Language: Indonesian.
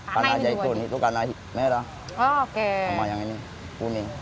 kana aja itu kanan merah sama yang ini kuning